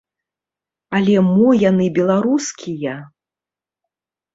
Але мо яны беларускія?